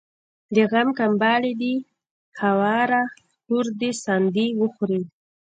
د غم کمبله دي هواره کور دي ساندي وخوري